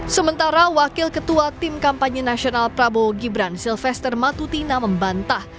sementara wakil ketua tim kampanye nasional prabowo gibran silvester matutina membantah